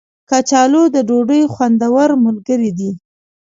کچالو د ډوډۍ خوندور ملګری دی